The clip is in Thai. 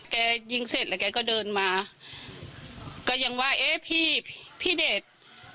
แกยิงเสร็จแล้วแกก็เดินมาก็ยังว่าเอ๊ะพี่พี่เดช